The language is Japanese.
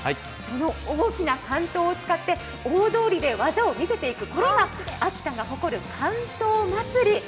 その大きな竿燈を使って大通りで技を見せていくこれが秋田が誇る竿燈まつり。